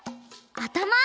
あたま？